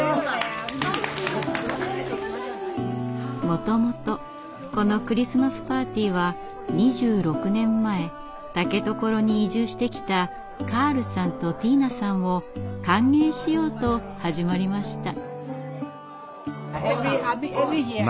もともとこのクリスマスパーティーは２６年前竹所に移住してきたカールさんとティーナさんを歓迎しようと始まりました。